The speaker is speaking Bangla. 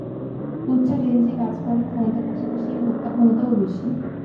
উচ্চ রেঞ্জে কাজ করার ক্ষমতার পাশাপাশি এর হত্যা ক্ষমতাও বেশি।